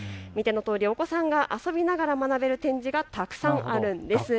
お子さんが遊びながら学べる展示がたくさんあるんです。